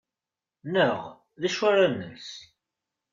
Neɣ: D acu ara nels?